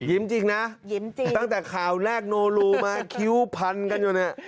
ยิ้มจริงนะตั้งแต่คราวแรกโนรูมาคิ้วพันกันอยู่นี่